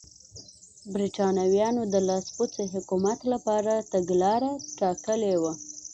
برېټانویانو د لاسپوڅي حکومت لپاره تګلاره ټاکلې وه.